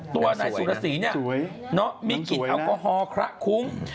ตัวนายสุรสีเนี่ยมีกลิ่นแอลกอฮอล์คละคุ้ง